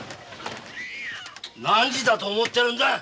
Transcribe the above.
・何時だと思ってるんだ！